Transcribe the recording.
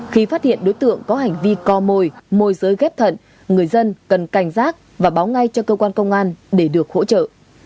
khi phát hiện đối tượng có hành vi co mồi môi giới ghép thận người dân cần cảnh giác và báo ngay cho cơ quan công an để được hỗ trợ